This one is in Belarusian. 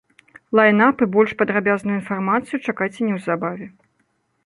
Лайн-ап і больш падрабязную інфармацыю чакайце неўзабаве.